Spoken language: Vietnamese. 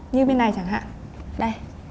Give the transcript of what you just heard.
như bên này chẳng hạn đây